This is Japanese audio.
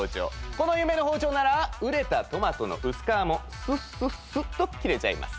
この夢の包丁なら熟れたトマトの薄皮もスッスッスッと切れちゃいます。